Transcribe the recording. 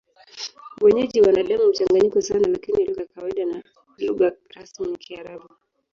Wenyeji wana damu mchanganyiko sana, lakini lugha ya kawaida na lugha rasmi ni Kiarabu.